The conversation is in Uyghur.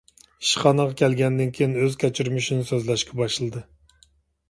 ئىشخانىغا كەلگەندىن كېيىن ئۆز كەچۈرمىشىنى سۆزلەشكە باشلىدى.